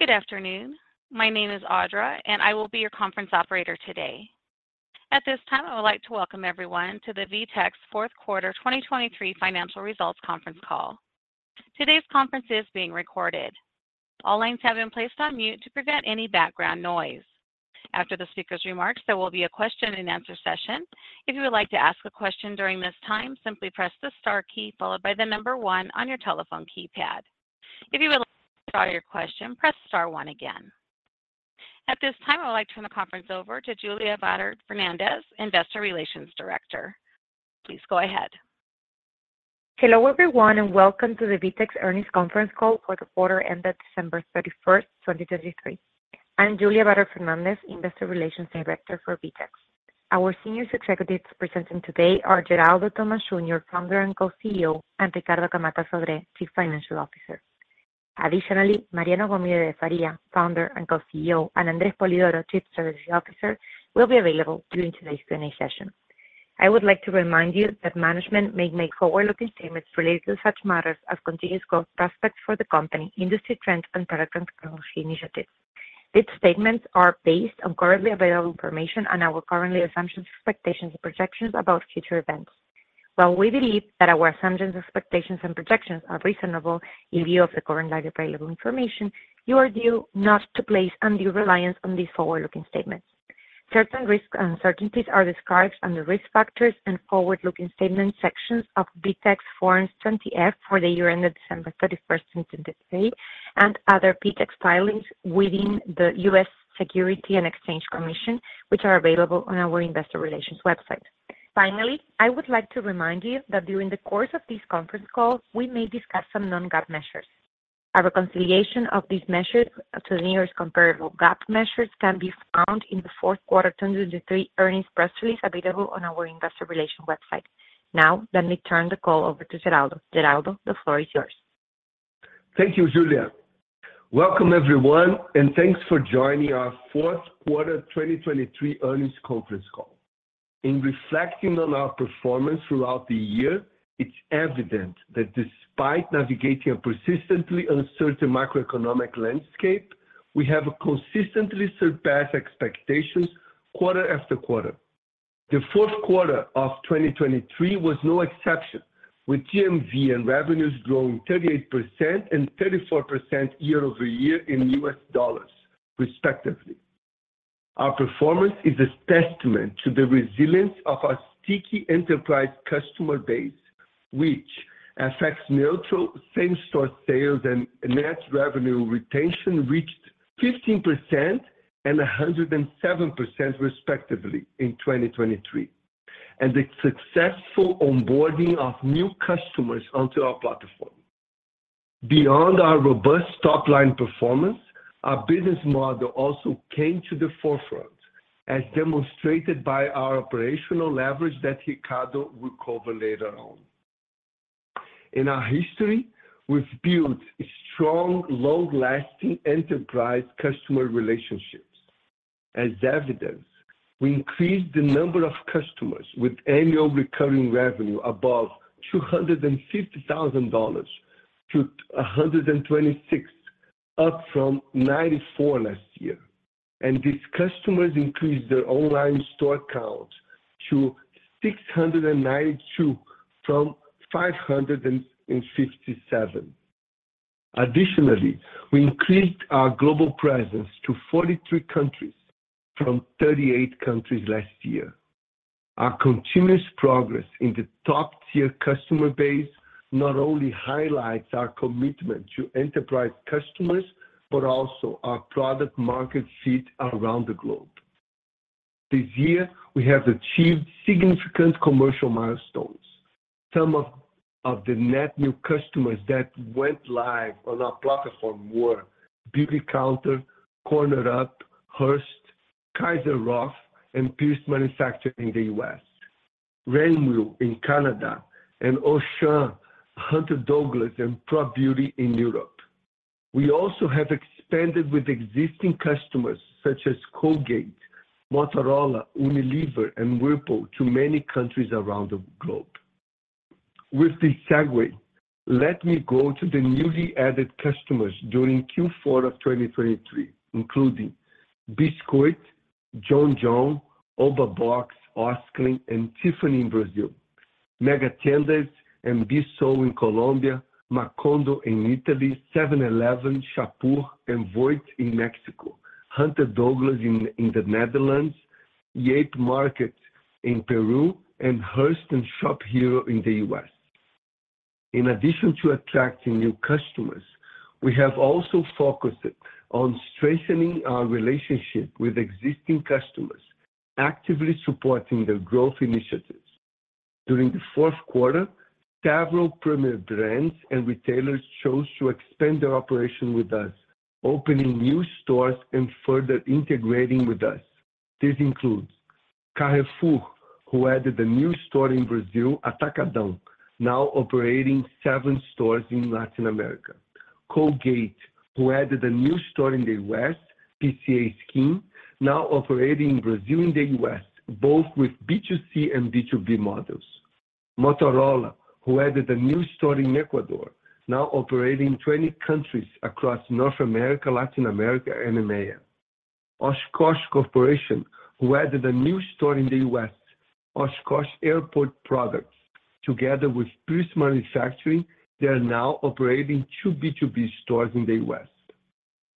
Good afternoon. My name is Audra, and I will be your conference operator today. At this time, I would like to welcome everyone to the VTEX fourth quarter 2023 financial results conference call. Today's conference is being recorded. All lines have been placed on mute to prevent any background noise. After the speaker's remarks, there will be a question-and-answer session. If you would like to ask a question during this time, simply press the star key followed by the number 1 on your telephone keypad. If you would like to start your question, press star 1 again. At this time, I would like to turn the conference over to Julia Vater Fernández, Investor Relations Director. Please go ahead. Hello everyone, and welcome to the VTEX earnings conference call for the quarter ended December 31st, 2023. I'm Julia Vater Fernández, Investor Relations Director for VTEX. Our senior executives presenting today are Geraldo Thomaz Jr., founder and co-CEO, and Ricardo Camatta Sodré, Chief Financial Officer. Additionally, Mariano Gomide de Faria, founder and co-CEO, and André Spolidoro, Chief Strategy Officer, will be available during today's Q&A session. I would like to remind you that management may make forward-looking statements related to such matters as continuous growth prospects for the company, industry trends, and product technology initiatives. These statements are based on currently available information and our currently assumptions, expectations, and projections about future events. While we believe that our assumptions, expectations, and projections are reasonable in view of the currently available information, you are due not to place undue reliance on these forward-looking statements. Certain risk uncertainties are described under risk factors and forward-looking statements sections of VTEX's Form 20-F for the year ended December 31st, 2023, and other VTEX filings with the U.S. Securities and Exchange Commission, which are available on our Investor Relations website. Finally, I would like to remind you that during the course of this conference call, we may discuss some non-GAAP measures. A reconciliation of these measures to the nearest comparable GAAP measures can be found in the fourth quarter 2023 earnings press release available on our Investor Relations website. Now, let me turn the call over to Geraldo. Geraldo, the floor is yours. Thank you, Julia. Welcome everyone, and thanks for joining our fourth quarter 2023 earnings conference call. In reflecting on our performance throughout the year, it's evident that despite navigating a persistently uncertain macroeconomic landscape, we have consistently surpassed expectations quarter after quarter. The fourth quarter of 2023 was no exception, with GMV and revenues growing 38% and 34% year-over-year in US dollars, respectively. Our performance is a testament to the resilience of our sticky enterprise customer base, which FX-neutral same-store sales and net revenue retention reached 15% and 107%, respectively, in 2023, and the successful onboarding of new customers onto our platform. Beyond our robust top-line performance, our business model also came to the forefront, as demonstrated by our operational leverage that Ricardo will cover later on. In our history, we've built strong, long-lasting enterprise customer relationships. As evidence, we increased the number of customers with annual recurring revenue above $250,000 to 126, up from 94 last year. These customers increased their online store count to 692 from 557. Additionally, we increased our global presence to 43 countries from 38 countries last year. Our continuous progress in the top-tier customer base not only highlights our commitment to enterprise customers but also our product-market fit around the globe. This year, we have achieved significant commercial milestones. Some of the net new customers that went live on our platform were Beautycounter, CornerUp, Hearst, Kayser-Roth and Pierce Manufacturing in the U.S., Renwil in Canada, and Auchan, Hunter Douglas, and ProBeauty in Europe. We also have expanded with existing customers such as Colgate, Motorola, Unilever, and Whirlpool to many countries around the globe. With this segue, let me go to the newly added customers during Q4 of 2023, including Le Biscuit, John John, Obabox, Osklen, and Tiffany in Brazil, Megatiendas and Bissú in Colombia, Macondo in Italy, 7-Eleven, Chapur, and Voit in Mexico, Hunter Douglas in the Netherlands, Yape Market in Peru, and Hearst and ShopHero in the US. In addition to attracting new customers, we have also focused on strengthening our relationship with existing customers, actively supporting their growth initiatives. During the fourth quarter, several premier brands and retailers chose to expand their operation with us, opening new stores and further integrating with us. This includes Carrefour, who added a new store in Brazil, Atacadão, now operating seven stores in Latin America, Colgate, who added a new store in the U.S., PCA Skin, now operating in Brazil and the U.S., both with B2C and B2B models, Motorola, who added a new store in Ecuador, now operating 20 countries across North America, Latin America, and EMEA, Oshkosh Corporation, who added a new store in the U.S., Oshkosh Airport Products, together with Pierce Manufacturing, they are now operating two B2B stores in the U.S.,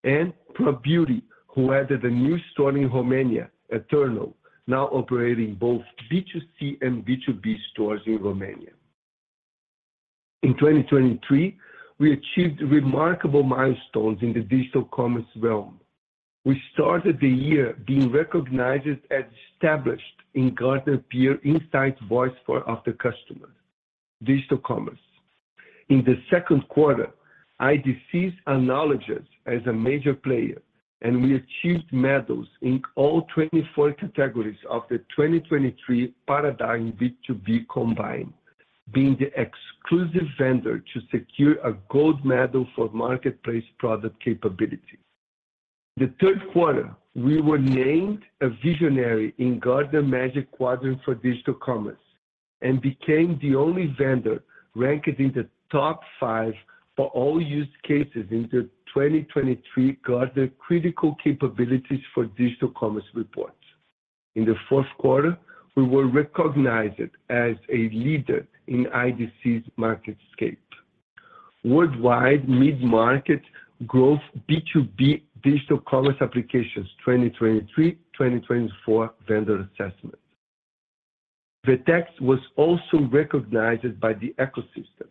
and ProBeauty, who added a new store in Romania, Eternal, now operating both B2C and B2B stores in Romania. In 2023, we achieved remarkable milestones in the digital commerce realm. We started the year being recognized as Established in Gartner Peer Insights Voice of the Customer, digital commerce. In the second quarter, IDC's acknowledged us as a Major Player, and we achieved medals in all 24 categories of the 2023 Paradigm B2B Combine, being the exclusive vendor to secure a gold medal for marketplace product capability. In the third quarter, we were named a Visionary in Gartner Magic Quadrant for digital commerce and became the only vendor ranked in the top 5 for all use cases in the 2023 Gartner Critical Capabilities for Digital Commerce report. In the fourth quarter, we were recognized as a Leader in IDC's MarketScape, worldwide mid-market growth B2B digital commerce applications 2023-2024 vendor assessment. VTEX was also recognized by the ecosystem.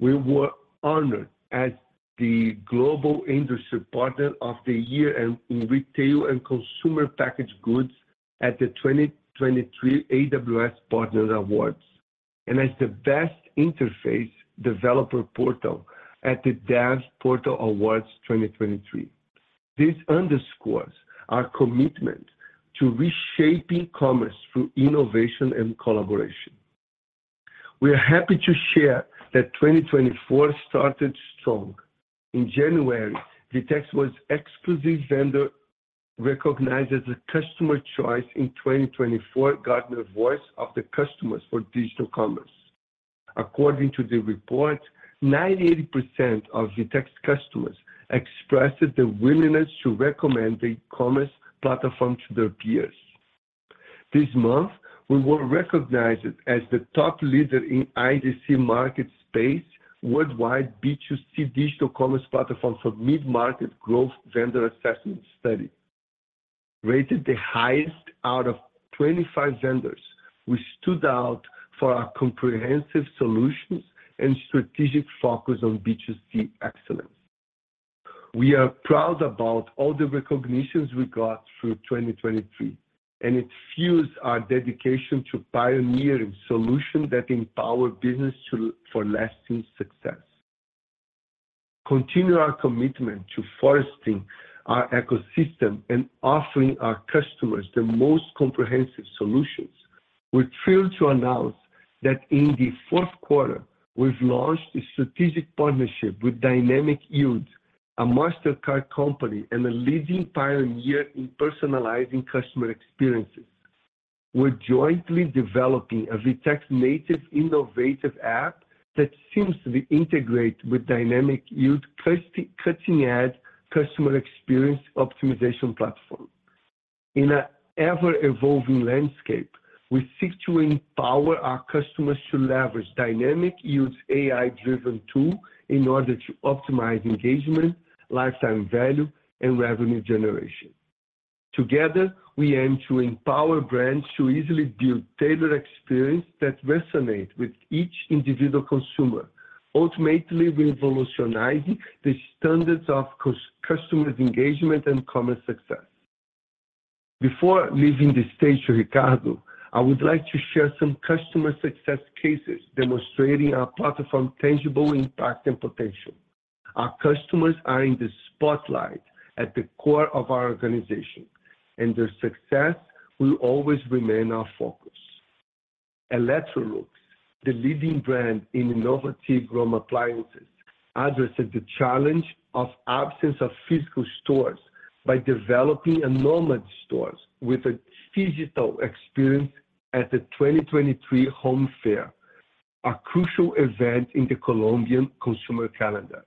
We were honored as the Global Industry Partner of the Year in Retail and Consumer Packaged Goods at the 2023 AWS Partner Awards and as the best interface developer portal at the DevPortal Awards 2023. This underscores our commitment to reshaping commerce through innovation and collaboration. We are happy to share that 2024 started strong. In January, VTEX was exclusive vendor recognized as a Customers' Choice in 2024 Gartner Voice of the Customer for Digital Commerce. According to the report, 98% of VTEX customers expressed the willingness to recommend the commerce platform to their peers. This month, we were recognized as the top Leader in IDC MarketScape worldwide B2C digital commerce platform for mid-market growth vendor assessment study. Rated the highest out of 25 vendors, we stood out for our comprehensive solutions and strategic focus on B2C excellence. We are proud about all the recognitions we got through 2023, and it fuels our dedication to pioneering solutions that empower businesses for lasting success. Continue our commitment to fostering our ecosystem and offering our customers the most comprehensive solutions. We're thrilled to announce that in the fourth quarter, we've launched a strategic partnership with Dynamic Yield, a Mastercard company, and a leading pioneer in personalizing customer experiences. We're jointly developing a VTEX-native innovative app that seems to integrate with Dynamic Yield's cutting-edge customer experience optimization platform. In an ever-evolving landscape, we seek to empower our customers to leverage Dynamic Yield's AI-driven tool in order to optimize engagement, lifetime value, and revenue generation. Together, we aim to empower brands to easily build tailored experiences that resonate with each individual consumer, ultimately revolutionizing the standards of customer engagement and commerce success. Before leaving the stage to Ricardo, I would like to share some customer success cases demonstrating our platform's tangible impact and potential. Our customers are in the spotlight at the core of our organization, and their success will always remain our focus. Electrolux, the leading brand in innovative home appliances, addressed the challenge of the absence of physical stores by developing enormous stores with a digital experience at the 2023 Home Fair, a crucial event in the Colombian consumer calendar.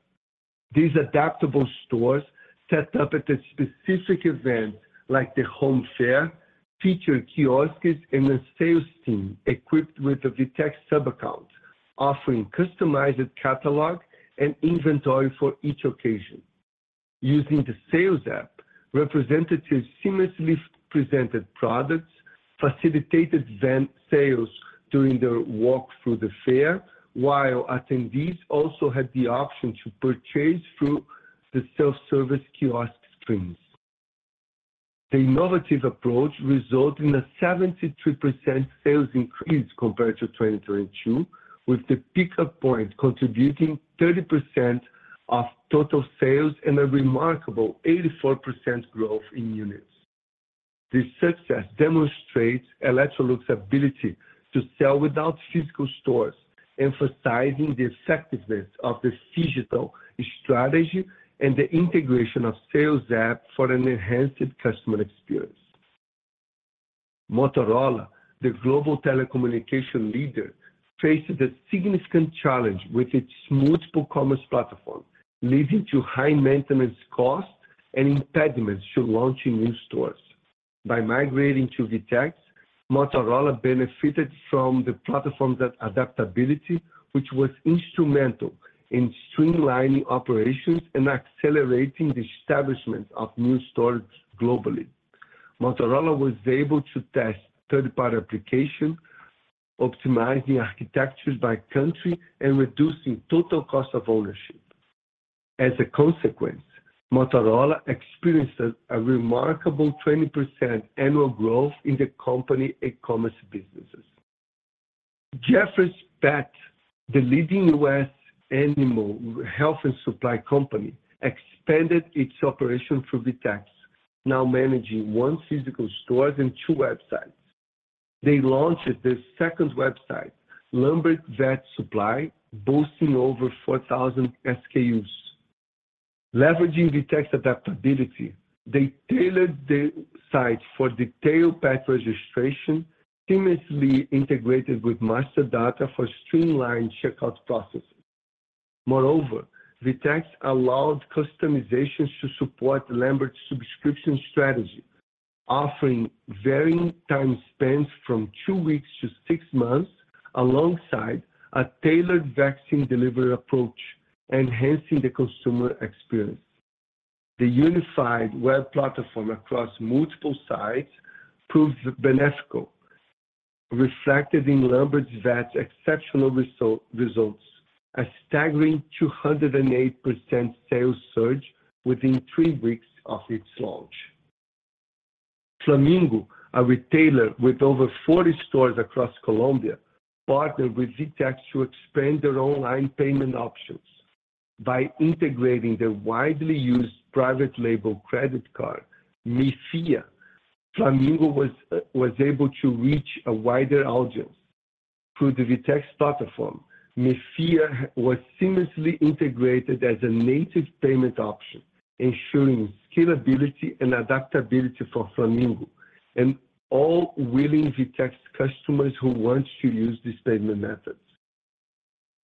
These adaptable stores set up at a specific event like the Home Fair featured kiosks and a sales team equipped with a VTEX subaccount offering customized catalog and inventory for each occasion. Using the sales app, representatives seamlessly presented products, facilitated sales during their walk through the fair, while attendees also had the option to purchase through the self-service kiosk screens. The innovative approach resulted in a 73% sales increase compared to 2022, with the pickup point contributing 30% of total sales and a remarkable 84% growth in units. This success demonstrates Electrolux's ability to sell without physical stores, emphasizing the effectiveness of the digital strategy and the integration of sales apps for an enhanced customer experience. Motorola, the global telecommunication leader, faced a significant challenge with its multiple commerce platforms, leading to high maintenance costs and impediments to launching new stores. By migrating to VTEX, Motorola benefited from the platform's adaptability, which was instrumental in streamlining operations and accelerating the establishment of new stores globally. Motorola was able to test third-party applications, optimizing architectures by country and reducing total cost of ownership. As a consequence, Motorola experienced a remarkable 20% annual growth in the company's e-commerce businesses. Jeffers Pet, the leading U.S. animal health and supply company, expanded its operations through VTEX, now managing one physical store and two websites. They launched their second website, Lambert Vet Supply, boasting over 4,000 SKUs. Leveraging VTEX adaptability, they tailored the site for detailed pet registration, seamlessly integrated with master data for streamlined checkout processes. Moreover, VTEX allowed customizations to support the Lambert subscription strategy, offering varying time spans from two weeks to six months alongside a tailored vaccine delivery approach, enhancing the consumer experience. The unified web platform across multiple sites proved beneficial, reflected in Lambert Vet's exceptional results, a staggering 208% sales surge within three weeks of its launch. Flamingo, a retailer with over 40 stores across Colombia, partnered with VTEX to expand their online payment options. By integrating their widely used private label credit card, MeFía, Flamingo was able to reach a wider audience. Through the VTEX platform, MeFía was seamlessly integrated as a native payment option, ensuring scalability and adaptability for Flamingo and all willing VTEX customers who want to use these payment methods.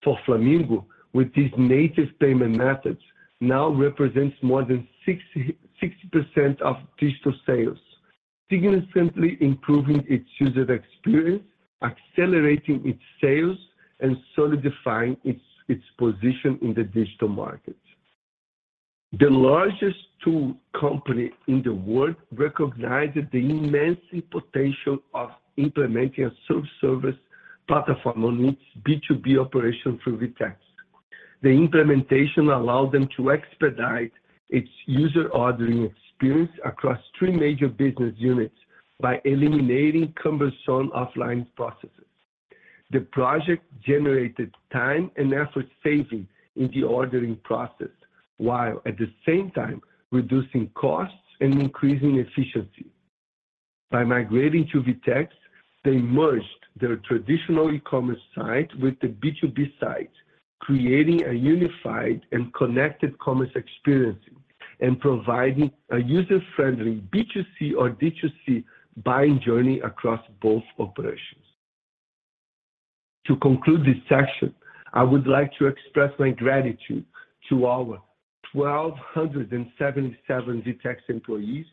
For Flamingo, with these native payment methods, now represents more than 60% of digital sales, significantly improving its user experience, accelerating its sales, and solidifying its position in the digital market. The largest tool company in the world recognized the immense potential of implementing a self-service platform on its B2B operation through VTEX. The implementation allowed them to expedite its user ordering experience across three major business units by eliminating cumbersome offline processes. The project generated time and effort savings in the ordering process while, at the same time, reducing costs and increasing efficiency. By migrating to VTEX, they merged their traditional e-commerce site with the B2B site, creating a unified and connected commerce experience and providing a user-friendly B2C or D2C buying journey across both operations. To conclude this section, I would like to express my gratitude to our 1,277 VTEX employees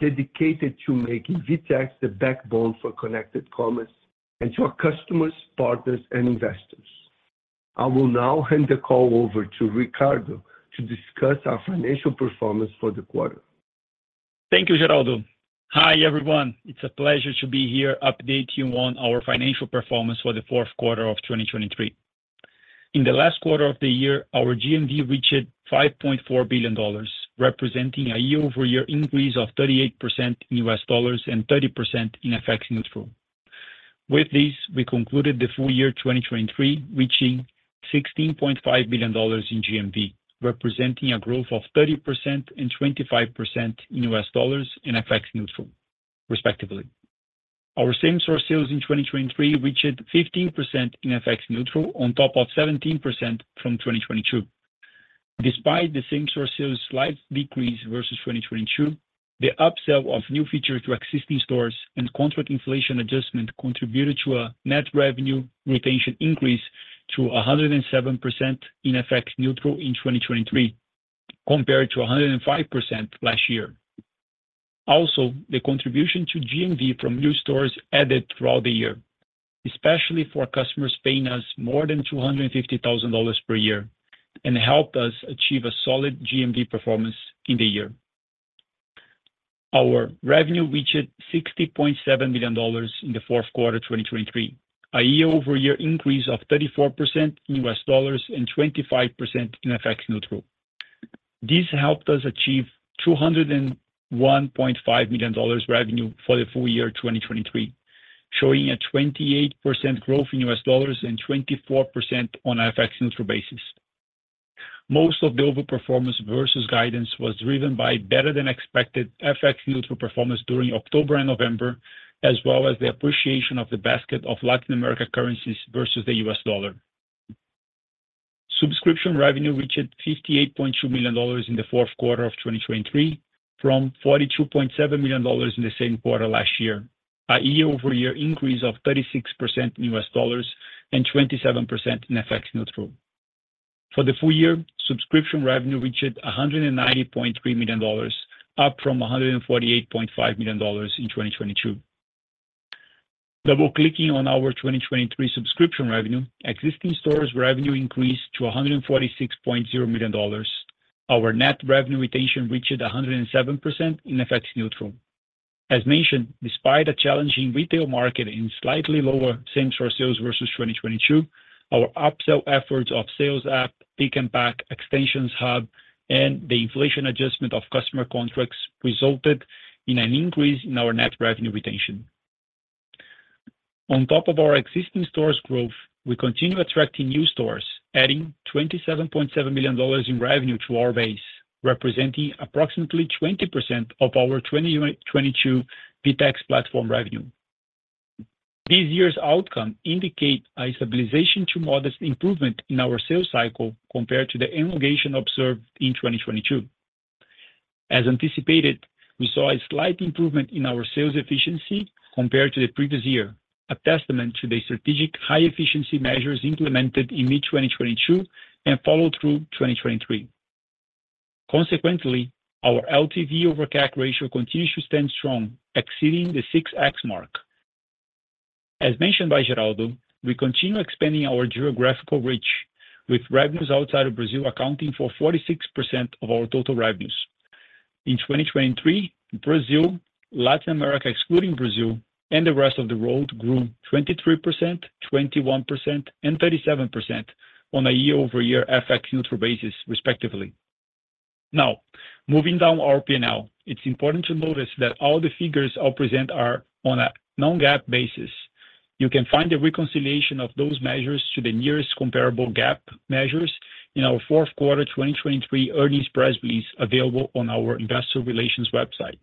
dedicated to making VTEX the backbone for connected commerce and to our customers, partners, and investors. I will now hand the call over to Ricardo to discuss our financial performance for the quarter. Thank you, Geraldo. Hi, everyone. It's a pleasure to be here updating you on our financial performance for the fourth quarter of 2023. In the last quarter of the year, our GMV reached $5.4 billion, representing a year-over-year increase of 38% in U.S. dollars and 30% in FX neutral. With this, we concluded the full year 2023 reaching $16.5 billion in GMV, representing a growth of 30% and 25% in U.S. dollars and FX neutral, respectively. Our same-store sales in 2023 reached 15% in FX neutral on top of 17% from 2022. Despite the same-store sales slight decrease versus 2022, the upsell of new features to existing stores and contract inflation adjustment contributed to a net revenue retention increase to 107% in FX neutral in 2023 compared to 105% last year. Also, the contribution to GMV from new stores added throughout the year, especially for customers paying us more than $250,000 per year, and helped us achieve a solid GMV performance in the year. Our revenue reached $60.7 million in the fourth quarter 2023, a year-over-year increase of 34% in US dollars and 25% in FX neutral. This helped us achieve $201.5 million revenue for the full year 2023, showing a 28% growth in US dollars and 24% on an FX neutral basis. Subscription revenue reached $58.2 million in the fourth quarter of 2023 from $42.7 million in the same quarter last year, a year-over-year increase of 36% in US dollars and 27% in FX neutral. For the full year, subscription revenue reached $190.3 million, up from $148.5 million in 2022. Double-clicking on our 2023 subscription revenue, existing stores' revenue increased to $146.0 million. Our net revenue retention reached 107% in FX neutral. As mentioned, despite a challenging retail market and slightly lower same-store sales versus 2022, our upsell efforts of Sales App, Pick and Pack, Extensions Hub, and the inflation adjustment of customer contracts resulted in an increase in our net revenue retention. On top of our existing stores' growth, we continue attracting new stores, adding $27.7 million in revenue to our base, representing approximately 20% of our 2022 VTEX platform revenue. This year's outcome indicates a stabilization to modest improvement in our sales cycle compared to the elongation observed in 2022. As anticipated, we saw a slight improvement in our sales efficiency compared to the previous year, a testament to the strategic high-efficiency measures implemented in mid-2022 and follow-through 2023. Consequently, our LTV over CAC ratio continues to stand strong, exceeding the 6x mark. As mentioned by Geraldo, we continue expanding our geographical reach, with revenues outside of Brazil accounting for 46% of our total revenues. In 2023, Brazil, Latin America excluding Brazil, and the rest of the world grew 23%, 21%, and 37% on a year-over-year FX neutral basis, respectively. Now, moving down our P&L, it's important to notice that all the figures I'll present are on a non-GAAP basis. You can find the reconciliation of those measures to the nearest comparable GAAP measures in our fourth quarter 2023 earnings press release available on our investor relations website.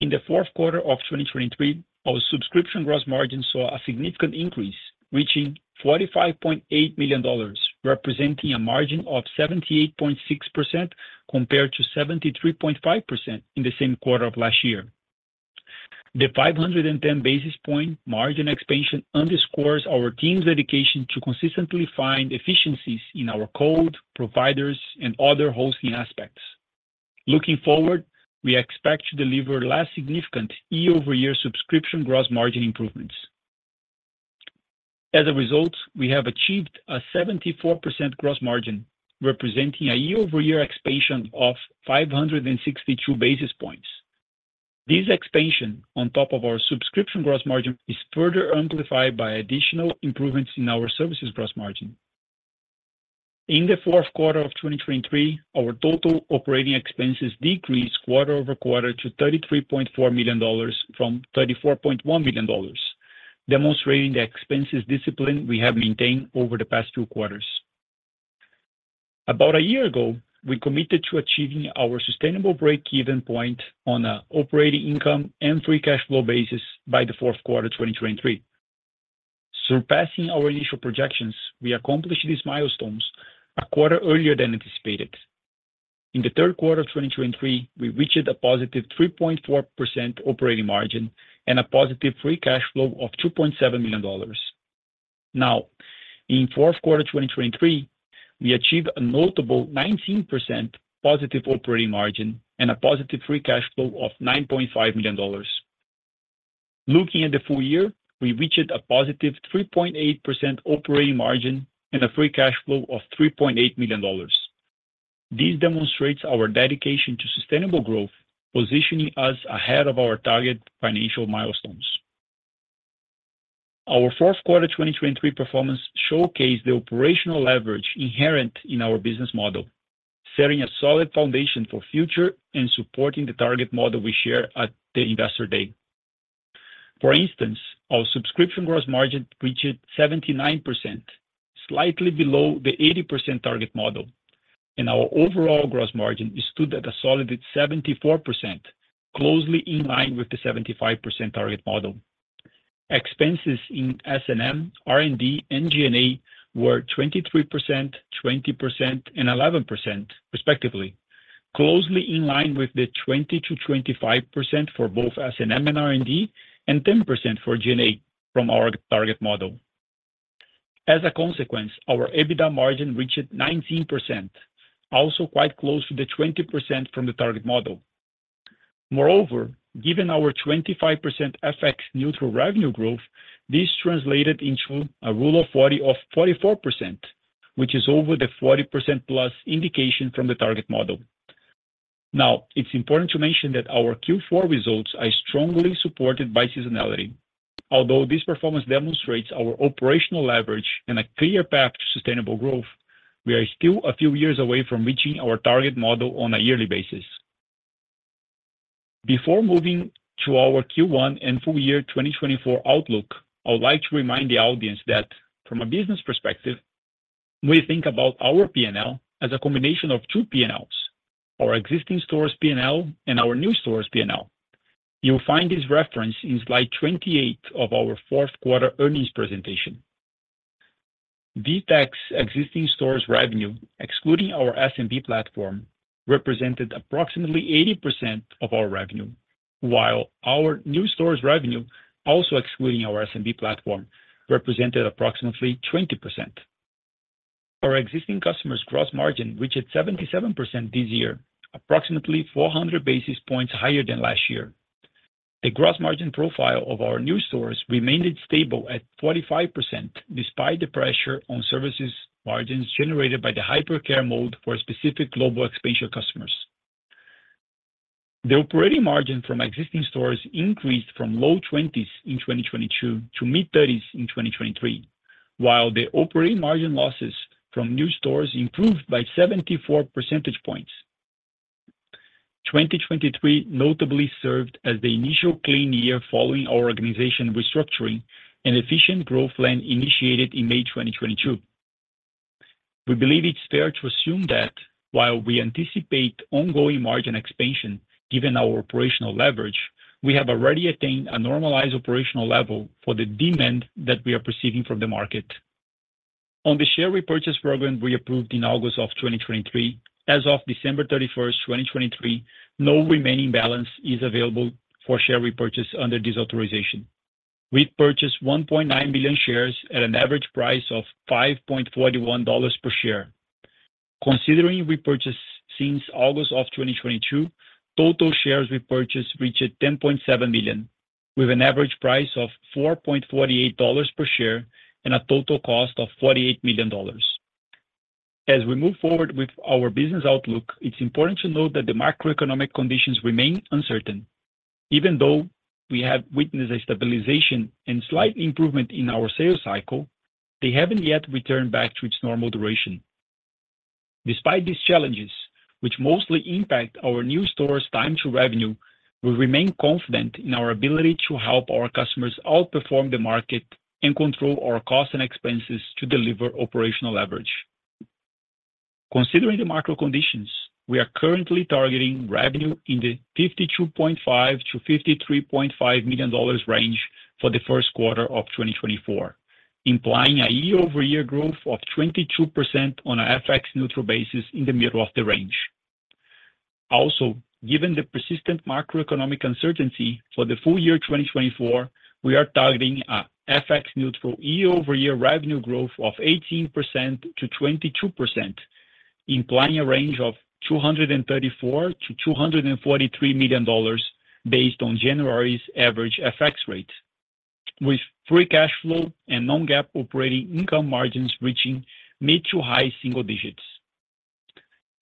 In the fourth quarter of 2023, our subscription gross margin saw a significant increase, reaching $45.8 million, representing a margin of 78.6% compared to 73.5% in the same quarter of last year. The 510 basis points margin expansion underscores our team's dedication to consistently find efficiencies in our code, providers, and other hosting aspects. Looking forward, we expect to deliver less significant year-over-year subscription gross margin improvements. As a result, we have achieved a 74% gross margin, representing a year-over-year expansion of 562 basis points. This expansion, on top of our subscription gross margin, is further amplified by additional improvements in our services gross margin. In the fourth quarter of 2023, our total operating expenses decreased quarter-over-quarter to $33.4 million from $34.1 million, demonstrating the expense discipline we have maintained over the past two quarters. About a year ago, we committed to achieving our sustainable break-even point on an operating income and free cash flow basis by the fourth quarter 2023. Surpassing our initial projections, we accomplished these milestones a quarter earlier than anticipated. In the third quarter of 2023, we reached a positive 3.4% operating margin and a positive free cash flow of $2.7 million. Now, in fourth quarter 2023, we achieved a notable 19% positive operating margin and a positive free cash flow of $9.5 million. Looking at the full year, we reached a positive 3.8% operating margin and a free cash flow of $3.8 million. This demonstrates our dedication to sustainable growth, positioning us ahead of our target financial milestones. Our fourth quarter 2023 performance showcased the operational leverage inherent in our business model, setting a solid foundation for future and supporting the target model we share at the Investor Day. For instance, our subscription gross margin reached 79%, slightly below the 80% target model, and our overall gross margin stood at a solid 74%, closely in line with the 75% target model. Expenses in S&M, R&D, and G&A were 23%, 20%, and 11%, respectively, closely in line with the 20%-25% for both S&M and R&D and 10% for G&A from our target model. As a consequence, our EBITDA margin reached 19%, also quite close to the 20% from the target model. Moreover, given our 25% FX neutral revenue growth, this translated into a Rule of 40 of 44%, which is over the 40%-plus indication from the target model. Now, it's important to mention that our Q4 results are strongly supported by seasonality. Although this performance demonstrates our operational leverage and a clear path to sustainable growth, we are still a few years away from reaching our target model on a yearly basis. Before moving to our Q1 and full year 2024 outlook, I would like to remind the audience that, from a business perspective, we think about our P&L as a combination of two P&Ls: our existing stores' P&L and our new stores' P&L. You'll find this reference in slide 28 of our fourth quarter earnings presentation. VTEX existing stores' revenue, excluding our SMB platform, represented approximately 80% of our revenue, while our new stores' revenue, also excluding our SMB platform, represented approximately 20%. Our existing customers' gross margin reached 77% this year, approximately 400 basis points higher than last year. The gross margin profile of our new stores remained stable at 45% despite the pressure on services margins generated by the hypercare mode for specific global expansion customers. The operating margin from existing stores increased from low 20s in 2022 to mid-30s in 2023, while the operating margin losses from new stores improved by 74 percentage points. 2023 notably served as the initial clean year following our organization restructuring and efficient growth plan initiated in May 2022. We believe it's fair to assume that, while we anticipate ongoing margin expansion given our operational leverage, we have already attained a normalized operational level for the demand that we are perceiving from the market. On the share repurchase program we approved in August of 2023, as of December 31st, 2023, no remaining balance is available for share repurchase under this authorization. We purchased 1.9 million shares at an average price of $5.41 per share. Considering we purchased since August of 2022, total shares we purchased reached 10.7 million, with an average price of $4.48 per share and a total cost of $48 million. As we move forward with our business outlook, it's important to note that the macroeconomic conditions remain uncertain. Even though we have witnessed a stabilization and slight improvement in our sales cycle, they haven't yet returned back to its normal duration. Despite these challenges, which mostly impact our new stores' time-to-revenue, we remain confident in our ability to help our customers outperform the market and control our costs and expenses to deliver operational leverage. Considering the macro conditions, we are currently targeting revenue in the $52.5-$53.5 million range for the first quarter of 2024, implying a year-over-year growth of 22% on an FX neutral basis in the middle of the range. Also, given the persistent macroeconomic uncertainty for the full year 2024, we are targeting an FX neutral year-over-year revenue growth of 18%-22%, implying a range of $234-$243 million based on January's average FX rate, with free cash flow and non-GAAP operating income margins reaching mid to high single digits.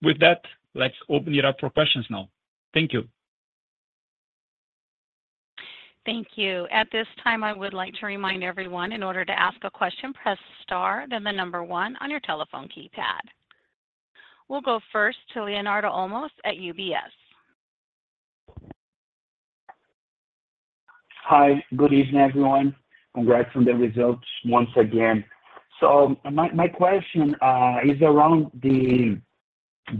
With that, let's open it up for questions now. Thank you. Thank you. At this time, I would like to remind everyone, in order to ask a question, press star, then the number one on your telephone keypad. We'll go first to Leonardo Olmos at UBS. Hi. Good evening, everyone. Congrats on the results once again. So my question is around the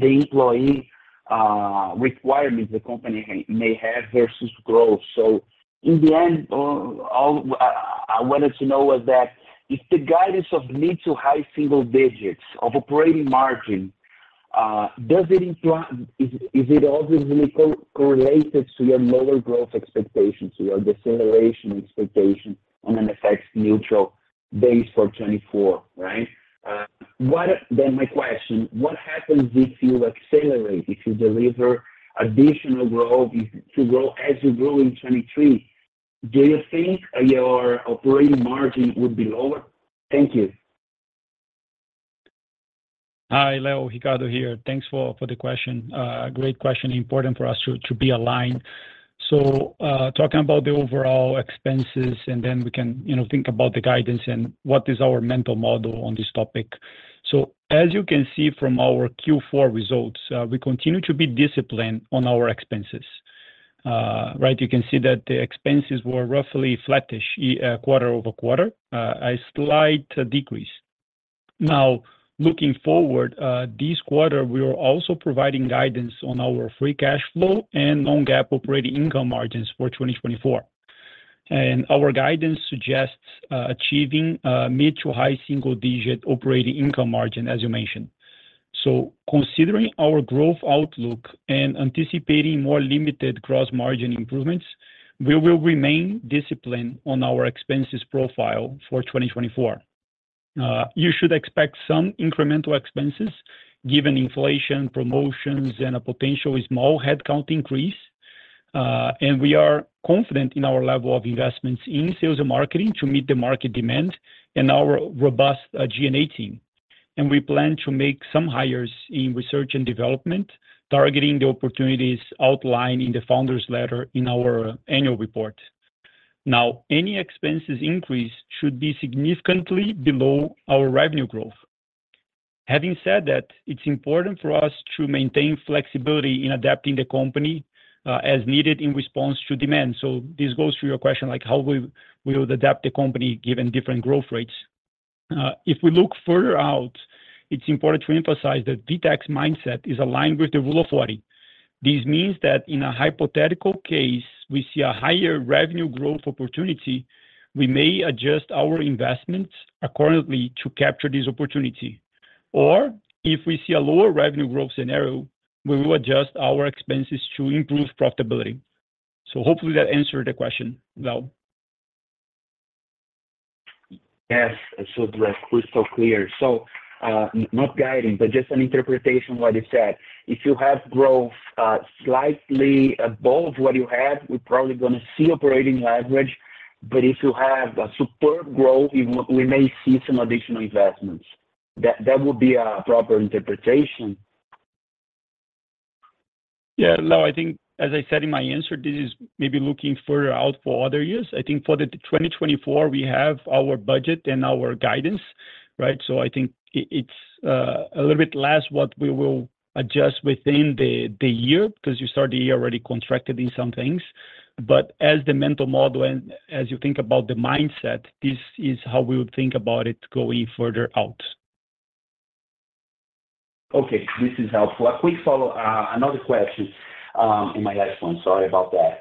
employee requirements the company may have versus growth. So in the end, what I wanted to know was that if the guidance of mid- to high-single-digit operating margin is it obviously correlated to your lower growth expectations, to your deceleration expectation on an FX-neutral basis for 2024, right? Then my question, what happens if you accelerate, if you deliver additional growth, if you grow as you grew in 2023? Do you think your operating margin would be lower? Thank you. Hello, Ricardo here. Thanks for the question. Great question. Important for us to be aligned. So talking about the overall expenses, and then we can think about the guidance and what is our mental model on this topic. So as you can see from our Q4 results, we continue to be disciplined on our expenses. right? You can see that the expenses were roughly flattish quarter-over-quarter, a slight decrease. Now, looking forward, this quarter, we are also providing guidance on our free cash flow and non-GAAP operating income margins for 2024. Our guidance suggests achieving mid- to high-single-digit operating income margin, as you mentioned. Considering our growth outlook and anticipating more limited gross margin improvements, we will remain disciplined on our expenses profile for 2024. You should expect some incremental expenses given inflation, promotions, and a potential small headcount increase. We are confident in our level of investments in sales and marketing to meet the market demand and our robust G&A team. We plan to make some hires in research and development, targeting the opportunities outlined in the founders' letter in our annual report. Any expenses increase should be significantly below our revenue growth. Having said that, it's important for us to maintain flexibility in adapting the company as needed in response to demand. So this goes through your question, like, how will we adapt the company given different growth rates? If we look further out, it's important to emphasize that VTEX mindset is aligned with the Rule of 40. This means that in a hypothetical case, we see a higher revenue growth opportunity, we may adjust our investments accordingly to capture this opportunity. Or if we see a lower revenue growth scenario, we will adjust our expenses to improve profitability. So hopefully that answered the question, Leo. Yes. It sounded crystal clear. So not guiding, but just an interpretation of what you said. If you have growth slightly above what you have, we're probably going to see operating leverage. But if you have superb growth, we may see some additional investments. That would be a proper interpretation. Yeah. No, I think, as I said in my answer, this is maybe looking further out for other years. I think for 2024, we have our budget and our guidance, right? So I think it's a little bit less what we will adjust within the year because you start the year already contracted in some things. But as the mental model and as you think about the mindset, this is how we would think about it going further out. Okay. This is helpful. A quick follow-up, another question in my last one. Sorry about that.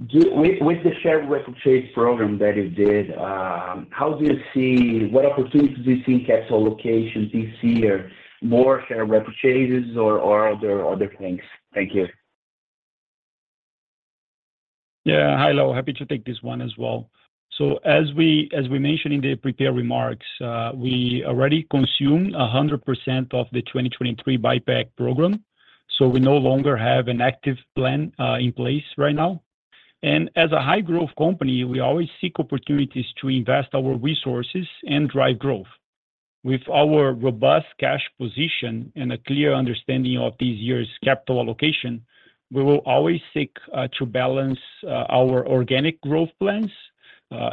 With the share repurchase program that you did, how do you see what opportunities do you see in capital allocation this year, more share repurchases or other things? Thank you. Yeah. Hi, Leo. Happy to take this one as well. So as we mentioned in the prepared remarks, we already consumed 100% of the 2023 buyback program. So we no longer have an active plan in place right now. And as a high-growth company, we always seek opportunities to invest our resources and drive growth. With our robust cash position and a clear understanding of this year's capital allocation, we will always seek to balance our organic growth plans,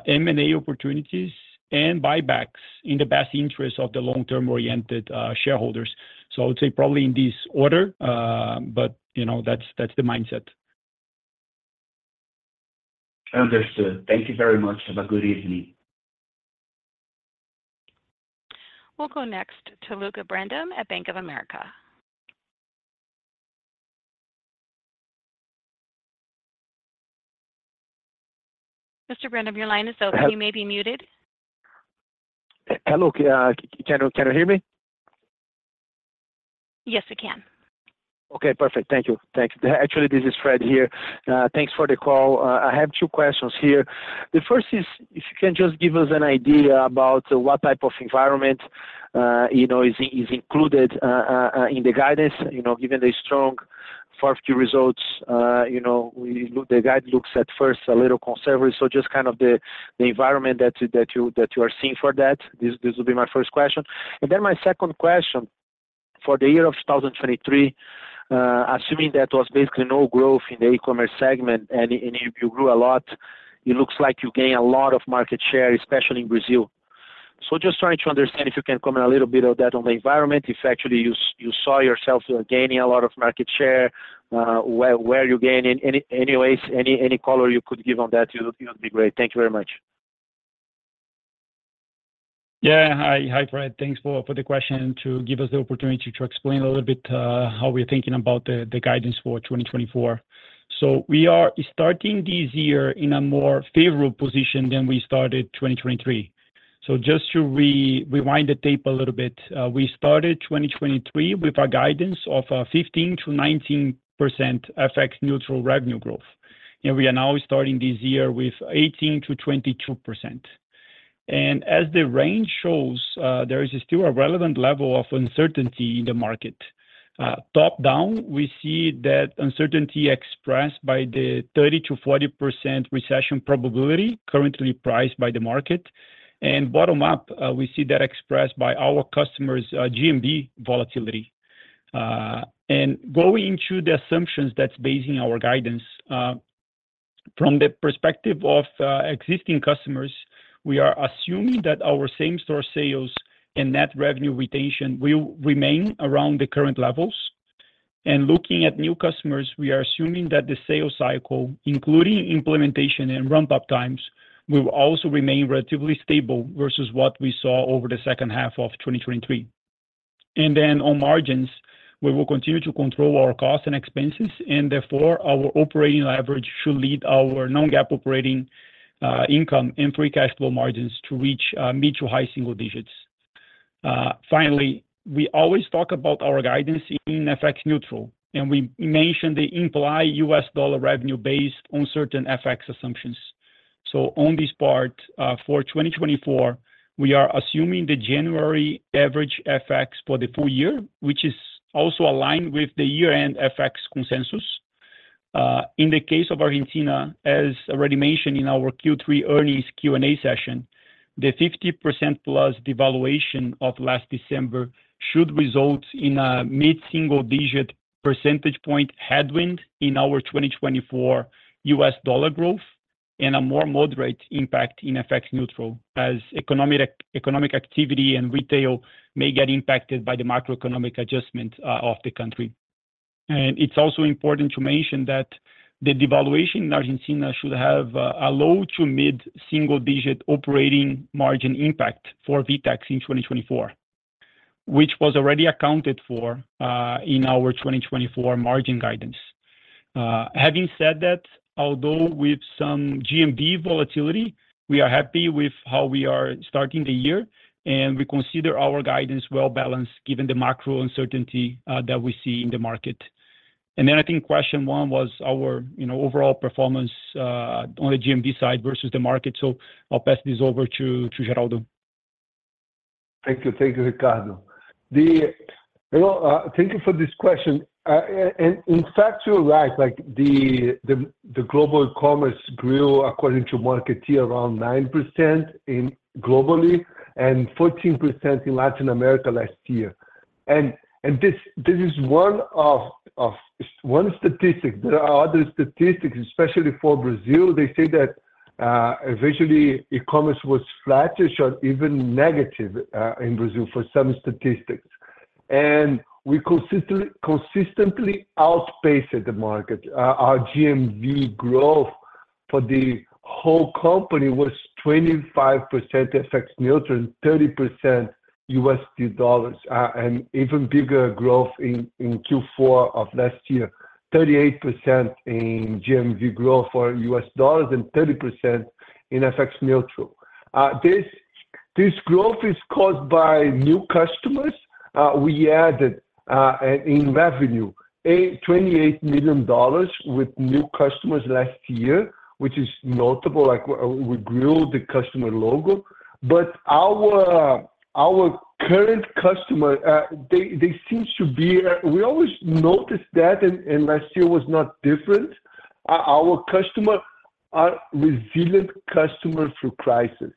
M&A opportunities, and buybacks in the best interest of the long-term-oriented shareholders. So I would say probably in this order, but that's the mindset. Understood. Thank you very much. Have a good evening. We'll go next to Lucca Brendim at Bank of America. Mr. Brendim, your line is open. You may be muted. Hello. Can you hear me? Yes, we can. Okay. Perfect. Thank you. Thanks. Actually, this is Fred here. Thanks for the call. I have two questions here. The first is if you can just give us an idea about what type of environment is included in the guidance. Given the strong 1Q results, the guidance looks at first a little conservative. So just kind of the environment that you are seeing for that, this would be my first question. And then my second question, for the year of 2023, assuming that there was basically no growth in the e-commerce segment and you grew a lot, it looks like you gained a lot of market share, especially in Brazil. So just trying to understand if you can comment a little bit on that, on the environment, if actually you saw yourself gaining a lot of market share, where you gained. Anyways, any color you could give on that, it would be great. Thank you very much. Yeah. Hi, Fred. Thanks for the question. To give us the opportunity to explain a little bit how we're thinking about the guidance for 2024. We are starting this year in a more favorable position than we started 2023. Just to rewind the tape a little bit, we started 2023 with our guidance of 15%-19% FX-neutral revenue growth. And we are now starting this year with 18%-22%. And as the range shows, there is still a relevant level of uncertainty in the market. Top down, we see that uncertainty expressed by the 30%-40% recession probability currently priced by the market. And bottom up, we see that expressed by our customers' GMV volatility. And going into the assumptions that's basing our guidance, from the perspective of existing customers, we are assuming that our same-store sales and net revenue retention will remain around the current levels. Looking at new customers, we are assuming that the sales cycle, including implementation and ramp-up times, will also remain relatively stable versus what we saw over the second half of 2023. Then on margins, we will continue to control our costs and expenses, and therefore, our operating leverage should lead our non-GAAP operating income and free cash flow margins to reach mid- to high single digits. Finally, we always talk about our guidance in FX neutral, and we mention the implied US dollar revenue based on certain FX assumptions. On this part, for 2024, we are assuming the January average FX for the full year, which is also aligned with the year-end FX consensus. In the case of Argentina, as already mentioned in our Q3 earnings Q&A session, the 50%-plus devaluation of last December should result in a mid-single digit percentage point headwind in our 2024 US dollar growth and a more moderate impact in FX neutral as economic activity and retail may get impacted by the macroeconomic adjustment of the country. And it's also important to mention that the devaluation in Argentina should have a low to mid-single digit operating margin impact for VTEX in 2024, which was already accounted for in our 2024 margin guidance. Having said that, although with some GMV volatility, we are happy with how we are starting the year, and we consider our guidance well-balanced given the macro uncertainty that we see in the market. And then I think question one was our overall performance on the GMV side versus the market. So I'll pass this over to Geraldo. Thank you. Thank you, Ricardo. Thank you for this question. In fact, you're right. The global e-commerce grew, according to Marketeer, around 9% globally and 14% in Latin America last year. This is one statistic. There are other statistics, especially for Brazil. They say that eventually, e-commerce was flattish or even negative in Brazil for some statistics. We consistently outpaced the market. Our GMV growth for the whole company was 25% FX neutral and 30% USD dollars, and even bigger growth in Q4 of last year, 38% in GMV growth for US dollars and 30% in FX neutral. This growth is caused by new customers. We added in revenue $28 million with new customers last year, which is notable. We grew the customer logo. But our current customer, they seem to be we always noticed that, and last year was not different. Our customers are resilient customers through crisis.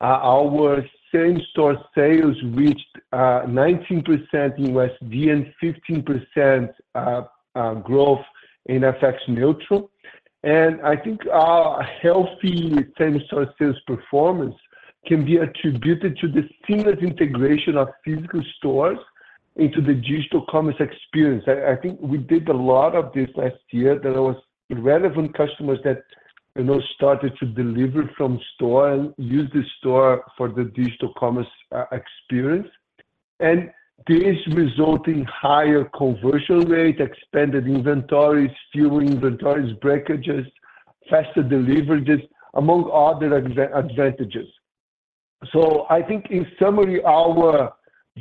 Our same-store sales reached 19% USD and 15% growth in FX neutral. I think our healthy same-store sales performance can be attributed to the seamless integration of physical stores into the digital commerce experience. I think we did a lot of this last year. There were relevant customers that started to deliver from store and use the store for the digital commerce experience. And this resulted in higher conversion rate, expanded inventories, fewer inventories, breakages, faster deliveries, among other advantages. I think, in summary, our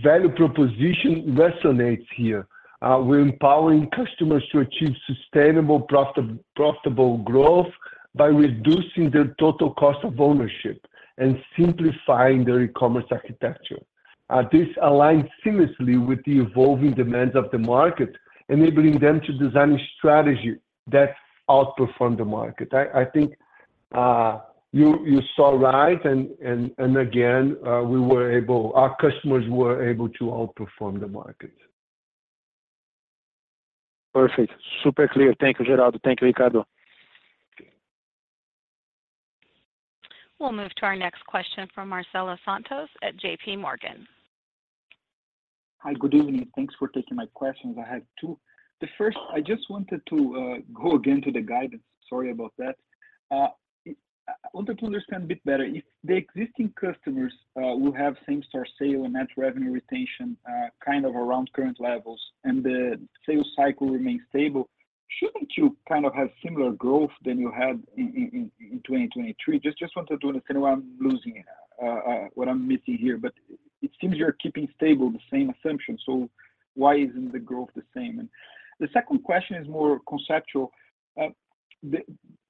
value proposition resonates here. We're empowering customers to achieve sustainable, profitable growth by reducing their total cost of ownership and simplifying their e-commerce architecture. This aligns seamlessly with the evolving demands of the market, enabling them to design a strategy that outperforms the market. I think you saw right. Again, our customers were able to outperform the market. Perfect. Super clear. Thank you, Geraldo. Thank you, Ricardo. We'll move to our next question from Marcelo Santos at JPMorgan. Hi. Good evening. Thanks for taking my questions. I had two. The first, I just wanted to go again to the guidance. Sorry about that. I wanted to understand a bit better. If the existing customers will have same-store sale and net revenue retention kind of around current levels and the sales cycle remains stable, shouldn't you kind of have similar growth than you had in 2023? Just wanted to understand what I'm missing here. It seems you're keeping stable the same assumption. Why isn't the growth the same? And the second question is more conceptual.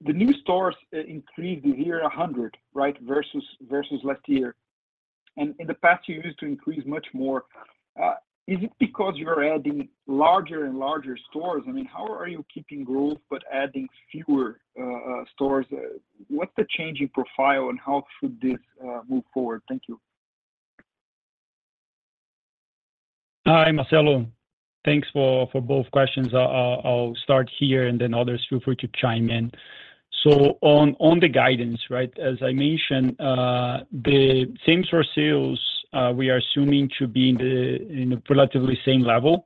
The new stores increased this year 100, right, versus last year. And in the past, you used to increase much more. Is it because you're adding larger and larger stores? I mean, how are you keeping growth but adding fewer stores? What's the change in profile, and how should this move forward? Thank you. Hi, Marcelo. Thanks for both questions. I'll start here, and then others feel free to chime in. So on the guidance, right, as I mentioned, the same-store sales, we are assuming to be in a relatively same level.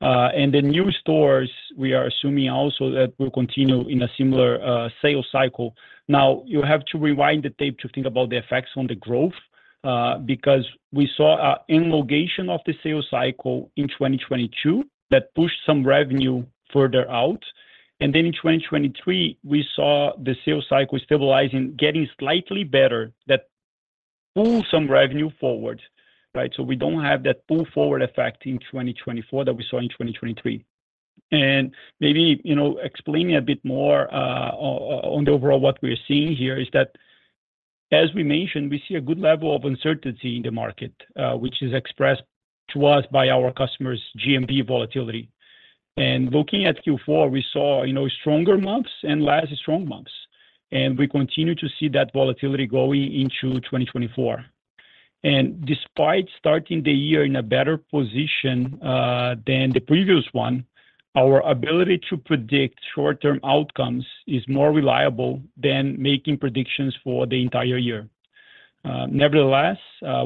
And the new stores, we are assuming also that we'll continue in a similar sales cycle. Now, you have to rewind the tape to think about the effects on the growth because we saw an elongation of the sales cycle in 2022 that pushed some revenue further out. And then in 2023, we saw the sales cycle stabilizing, getting slightly better, that pulled some revenue forward, right? So we don't have that pull forward effect in 2024 that we saw in 2023. And maybe explaining a bit more on the overall what we're seeing here is that, as we mentioned, we see a good level of uncertainty in the market, which is expressed to us by our customers' GMV volatility. And looking at Q4, we saw stronger months and less strong months. And we continue to see that volatility going into 2024. And despite starting the year in a better position than the previous one, our ability to predict short-term outcomes is more reliable than making predictions for the entire year. Nevertheless,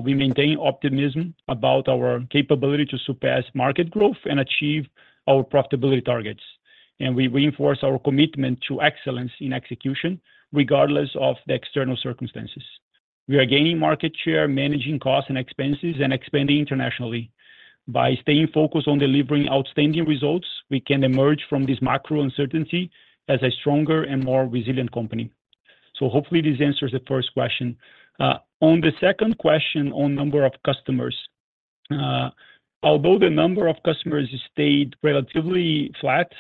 we maintain optimism about our capability to surpass market growth and achieve our profitability targets. And we reinforce our commitment to excellence in execution regardless of the external circumstances. We are gaining market share, managing costs and expenses, and expanding internationally. By staying focused on delivering outstanding results, we can emerge from this macro uncertainty as a stronger and more resilient company. So hopefully, this answers the first question. On the second question, on number of customers, although the number of customers stayed relatively flat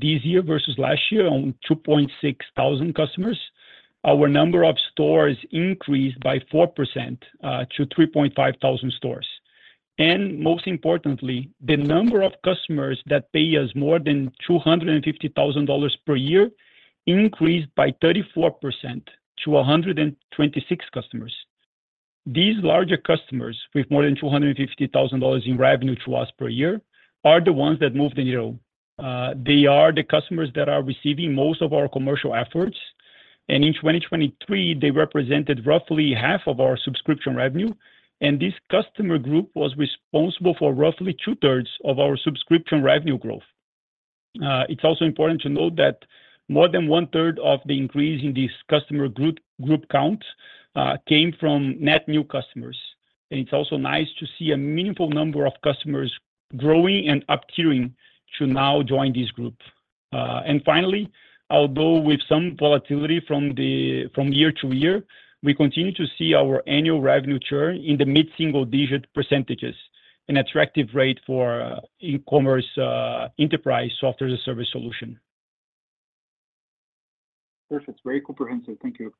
this year versus last year on 2,600 customers, our number of stores increased by 4% to 3,500 stores. And most importantly, the number of customers that pay us more than $250,000 per year increased by 34% to 126 customers. These larger customers with more than $250,000 in revenue to us per year are the ones that moved the needle. They are the customers that are receiving most of our commercial efforts. In 2023, they represented roughly half of our subscription revenue. This customer group was responsible for roughly two-thirds of our subscription revenue growth. It's also important to note that more than one-third of the increase in this customer group count came from net new customers. It's also nice to see a meaningful number of customers growing and upselling to now join this group. Finally, although with some volatility from year to year, we continue to see our annual revenue churn in the mid-single-digit percentages, an attractive rate for e-commerce enterprise software as a service solution. Perfect. Very comprehensive. Thank you.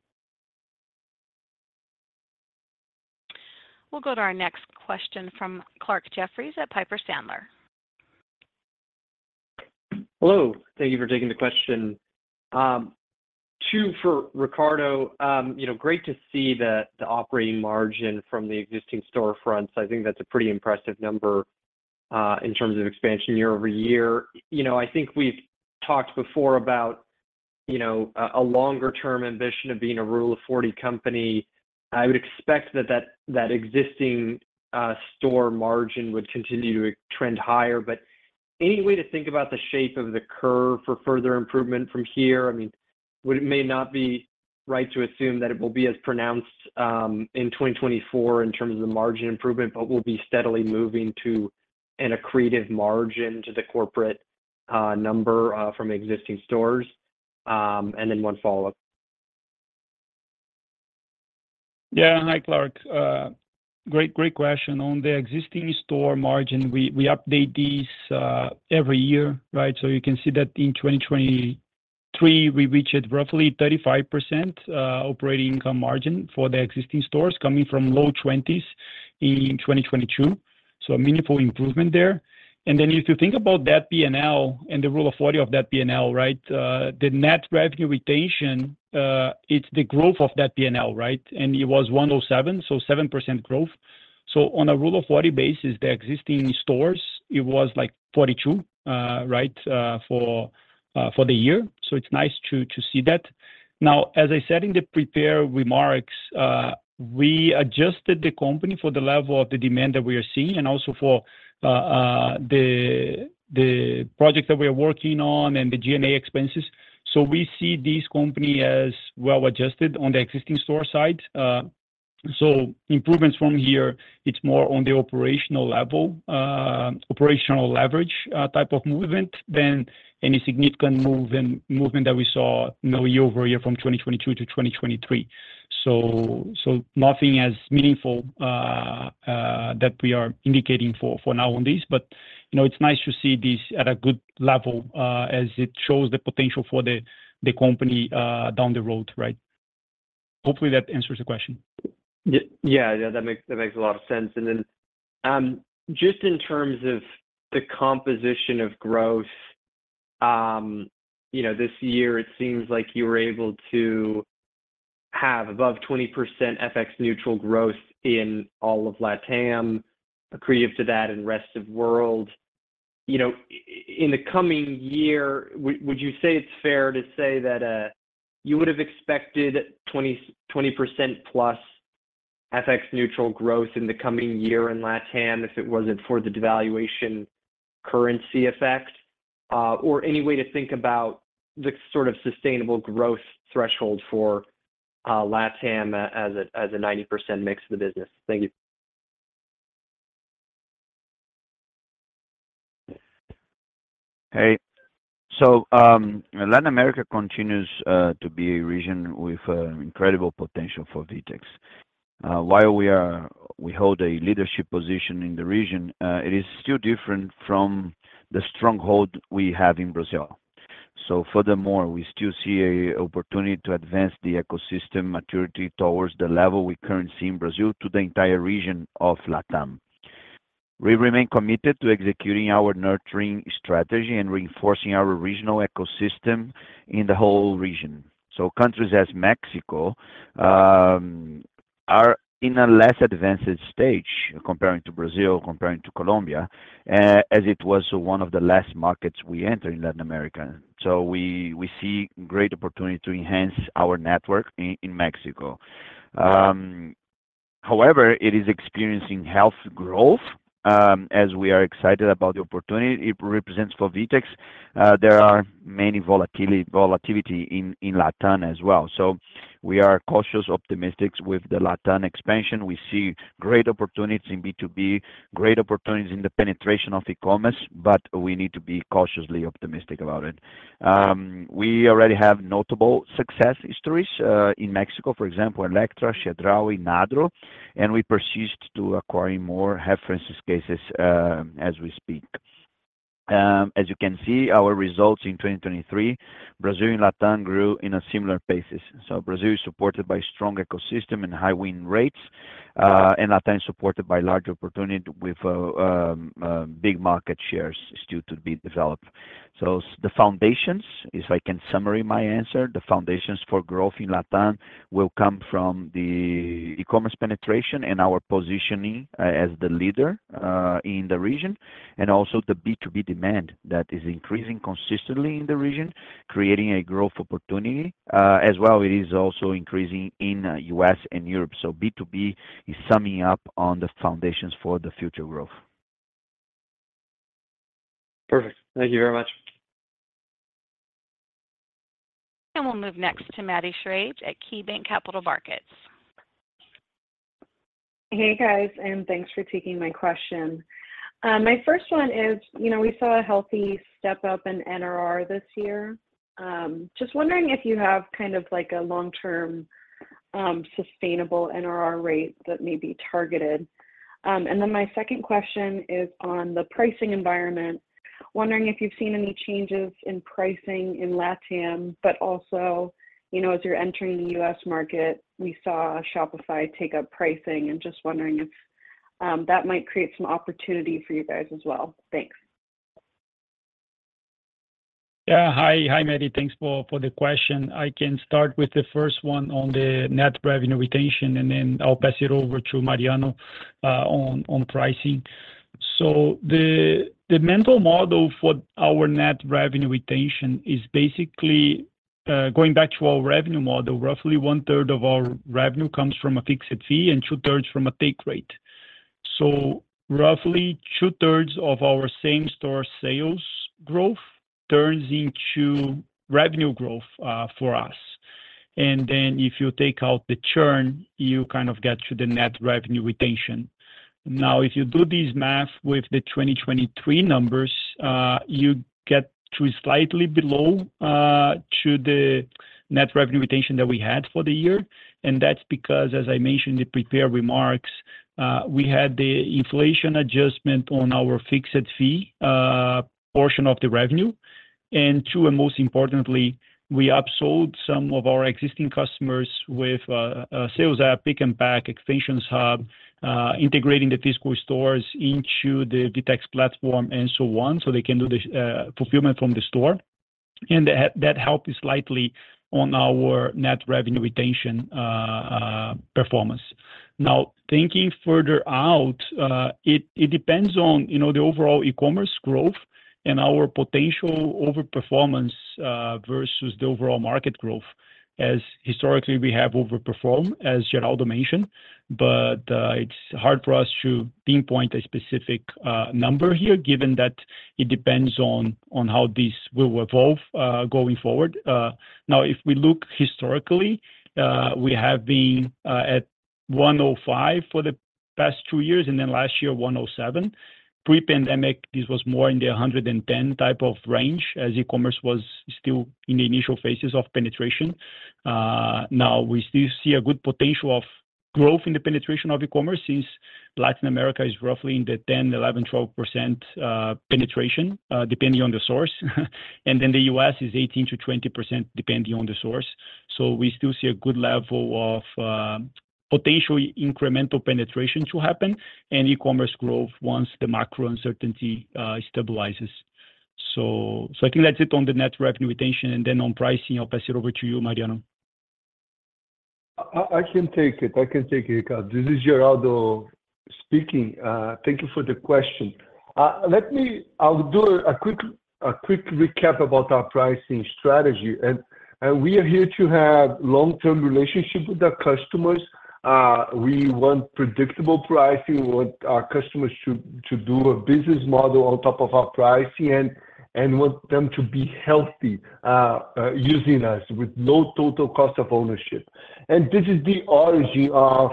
We'll go to our next question from Clarke Jeffries at Piper Sandler. Hello. Thank you for taking the question. Too, for Ricardo, great to see the operating margin from the existing storefronts. I think that's a pretty impressive number in terms of expansion year-over-year. I think we've talked before about a longer-term ambition of being a Rule of 40 company. I would expect that that existing store margin would continue to trend higher. But any way to think about the shape of the curve for further improvement from here? I mean, it may not be right to assume that it will be as pronounced in 2024 in terms of the margin improvement, but we'll be steadily moving to an accretive margin to the corporate number from existing stores. And then one follow-up. Yeah. Hi, Clark. Great question. On the existing store margin, we update these every year, right? So you can see that in 2023, we reached roughly 35% operating income margin for the existing stores coming from low 20s in 2022. So a meaningful improvement there. Then if you think about that P&L and the rule of 40 of that P&L, right, the net revenue retention, it's the growth of that P&L, right? And it was 107, so 7% growth. So on a rule of 40 basis, the existing stores, it was like 42, right, for the year. So it's nice to see that. Now, as I said in the prepared remarks, we adjusted the company for the level of the demand that we are seeing and also for the project that we are working on and the G&A expenses. So we see this company as well-adjusted on the existing store side. So improvements from here, it's more on the operational level, operational leverage type of movement than any significant movement that we saw year-over-year from 2022 to 2023. So nothing as meaningful that we are indicating for now on this. But it's nice to see this at a good level as it shows the potential for the company down the road, right? Hopefully, that answers the question. Yeah. Yeah. That makes a lot of sense. And then just in terms of the composition of growth, this year, it seems like you were able to have above 20% FX neutral growth in all of LATAM, accretive to that, and rest of the world. In the coming year, would you say it's fair to say that you would have expected 20%+ FX neutral growth in the coming year in LATAM if it wasn't for the devaluation currency effect or any way to think about the sort of sustainable growth threshold for LATAM as a 90% mix of the business? Thank you. Hey. So Latin America continues to be a region with incredible potential for VTEX. While we hold a leadership position in the region, it is still different from the stronghold we have in Brazil. Furthermore, we still see an opportunity to advance the ecosystem maturity towards the level we currently see in Brazil to the entire region of LATAM. We remain committed to executing our nurturing strategy and reinforcing our regional ecosystem in the whole region. Countries such as Mexico are in a less advanced stage comparing to Brazil, comparing to Colombia, as it was one of the last markets we entered in Latin America. We see great opportunity to enhance our network in Mexico. However, it is experiencing healthy growth. As we are excited about the opportunity it represents for VTEX, there is much volatility in LATAM as well. We are cautious optimists with the LATAM expansion. We see great opportunities in B2B, great opportunities in the penetration of e-commerce, but we need to be cautiously optimistic about it. We already have notable success stories in Mexico, for example, Elektra, Chedraui, Nadro. We continue to acquire more reference cases as we speak. As you can see, our results in 2023, Brazil and LATAM grew in a similar pace. Brazil is supported by a strong ecosystem and high win rates. LATAM is supported by large opportunity with big market shares still to be developed. The foundations, if I can summarize my answer, the foundations for growth in LATAM will come from the e-commerce penetration and our positioning as the leader in the region and also the B2B demand that is increasing consistently in the region, creating a growth opportunity. As well, it is also increasing in the U.S. and Europe. So B2B is summing up on the foundations for the future growth. Perfect. Thank you very much. We'll move next to Maddie Schrage at KeyBanc Capital Markets. Hey, guys. Thanks for taking my question. My first one is we saw a healthy step-up in NRR this year. Just wondering if you have kind of a long-term sustainable NRR rate that may be targeted. And then my second question is on the pricing environment. Wondering if you've seen any changes in pricing in LATAM, but also as you're entering the US market, we saw Shopify take up pricing. And just wondering if that might create some opportunity for you guys as well. Thanks. Yeah. Hi, Maddie. Thanks for the question. I can start with the first one on the net revenue retention, and then I'll pass it over to Mariano on pricing. So the mental model for our net revenue retention is basically going back to our revenue model. Roughly one-third of our revenue comes from a fixed fee and two-thirds from a take rate. So roughly two-thirds of our same-store sales growth turns into revenue growth for us. And then if you take out the churn, you kind of get to the net revenue retention. Now, if you do this math with the 2023 numbers, you get to slightly below the net revenue retention that we had for the year. And that's because, as I mentioned in the prepared remarks, we had the inflation adjustment on our fixed fee portion of the revenue. And two, and most importantly, we upsold some of our existing customers with Sales App, Pick and Pack, Extensions Hub, integrating the physical stores into the VTEX platform, and so on so they can do the fulfillment from the store. That helped slightly on our net revenue retention performance. Now, thinking further out, it depends on the overall e-commerce growth and our potential overperformance versus the overall market growth. As historically, we have overperformed, as Geraldo mentioned. It's hard for us to pinpoint a specific number here given that it depends on how this will evolve going forward. Now, if we look historically, we have been at 105 for the past two years, and then last year, 107. Pre-pandemic, this was more in the 110 type of range as e-commerce was still in the initial phases of penetration. Now, we still see a good potential of growth in the penetration of e-commerce since Latin America is roughly in the 10%, 11%, 12% penetration, depending on the source. Then the U.S. is 18%-20%, depending on the source. So we still see a good level of potential incremental penetration to happen and e-commerce growth once the macro uncertainty stabilizes. So I think that's it on the net revenue retention. And then on pricing, I'll pass it over to you, Mariano. I can take it. I can take it, Ricardo. This is Geraldo speaking. Thank you for the question. I'll do a quick recap about our pricing strategy. And we are here to have a long-term relationship with our customers. We want predictable pricing. We want our customers to do a business model on top of our pricing and want them to be healthy using us with no total cost of ownership. And this is the origin of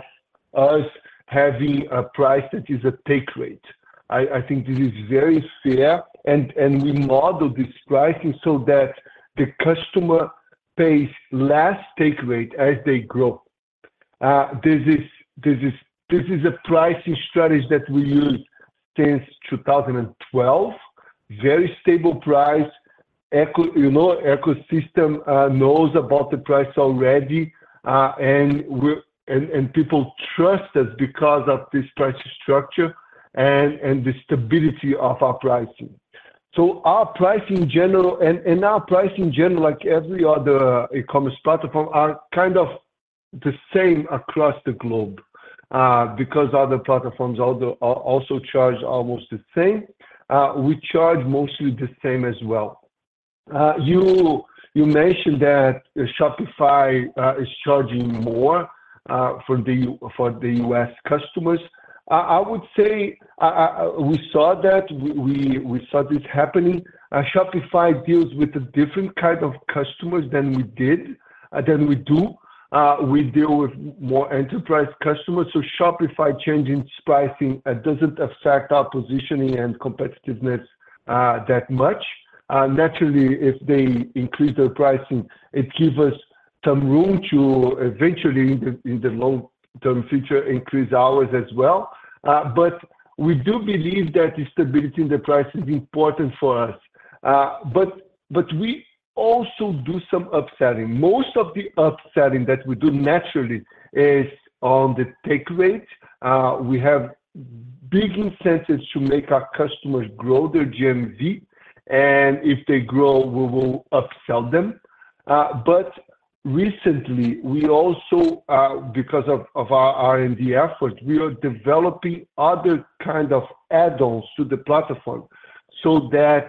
us having a price that is a take rate. I think this is very fair. And we model this pricing so that the customer pays less take rate as they grow. This is a pricing strategy that we use since 2012. Very stable price. Ecosystem knows about the price already. And people trust us because of this pricing structure and the stability of our pricing. So our pricing in general and our pricing in general, like every other e-commerce platform, are kind of the same across the globe because other platforms also charge almost the same. We charge mostly the same as well. You mentioned that Shopify is charging more for the U.S. customers. I would say we saw that. We saw this happening. Shopify deals with a different kind of customers than we do. We deal with more enterprise customers. So Shopify changing its pricing, it doesn't affect our positioning and competitiveness that much. Naturally, if they increase their pricing, it gives us some room to eventually, in the long-term future, increase ours as well. But we do believe that the stability in the price is important for us. But we also do some upselling. Most of the upselling that we do naturally is on the take rate. We have big incentives to make our customers grow their GMV. And if they grow, we will upsell them. But recently, because of our R&D efforts, we are developing other kinds of add-ons to the platform so that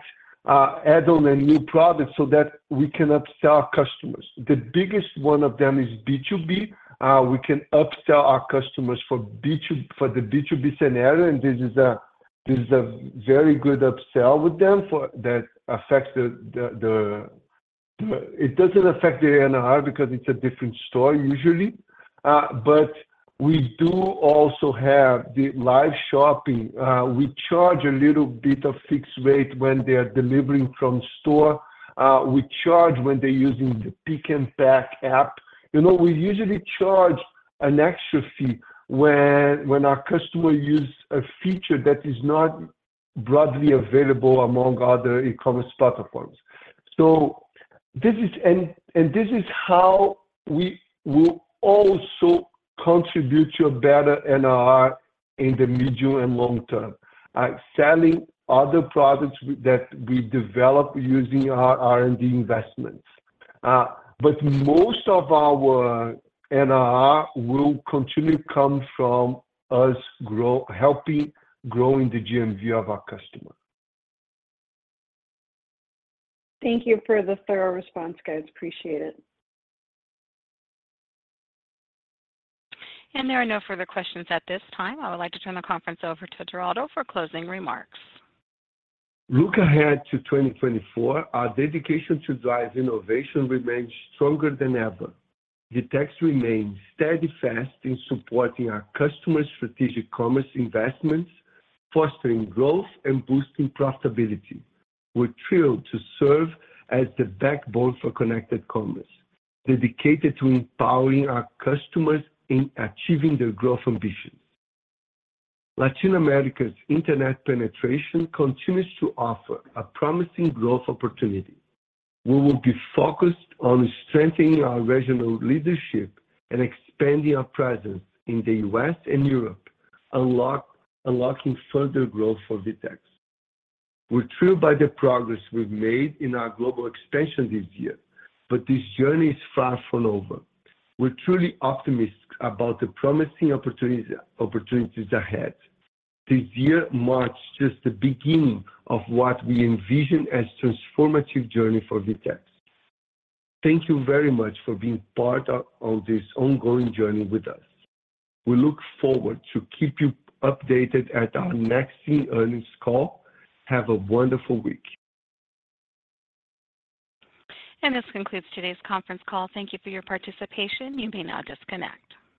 add-on and new products so that we can upsell our customers. The biggest one of them is B2B. We can upsell our customers for the B2B scenario. And this is a very good upsell with them that affects the, it doesn't affect the NRR because it's a different store, usually. But we do also have the Live Shopping. We charge a little bit of fixed rate when they are delivering from store. We charge when they're using the Pick and Pack app. We usually charge an extra fee when our customer uses a feature that is not broadly available among other e-commerce platforms. And this is how we will also contribute to a better NRR in the medium and long term, selling other products that we develop using our R&D investments. But most of our NRR will continue to come from us helping growing the GMV of our customer. Thank you for the thorough response, guys. Appreciate it. And there are no further questions at this time. I would like to turn the conference over to Geraldo for closing remarks. Look ahead to 2024. Our dedication to drive innovation remains stronger than ever. VTEX remains steadfast in supporting our customers' strategic commerce investments, fostering growth, and boosting profitability. We're thrilled to serve as the backbone for connected commerce, dedicated to empowering our customers in achieving their growth ambitions. Latin America's internet penetration continues to offer a promising growth opportunity. We will be focused on strengthening our regional leadership and expanding our presence in the U.S. and Europe, unlocking further growth for VTEX. We're thrilled by the progress we've made in our global expansion this year. This journey is far from over. We're truly optimistic about the promising opportunities ahead. This year marks just the beginning of what we envision as a transformative journey for VTEX. Thank you very much for being part of this ongoing journey with us. We look forward to keeping you updated at our next earnings call. Have a wonderful week. This concludes today's conference call. Thank you for your participation. You may now disconnect.